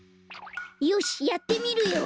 よしっやってみるよ。